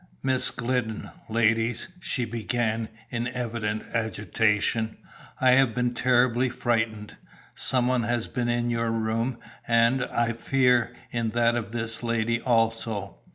"Miss Glidden, ladies," she began in evident agitation, "I have been terribly frightened. Some one has been in your room, and, I fear, in that of this lady also.